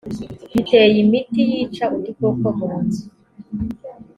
bateye imiti yica udukoko mu nzu